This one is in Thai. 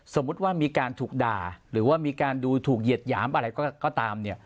สมมุติว่ามีการถูกด่าหรือว่ามีการดูถูกเหยียดหยามอะไรก็ตามเนี่ย